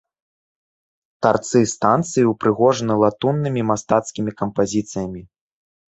Тарцы станцыі ўпрыгожаны латуннымі мастацкімі кампазіцыямі.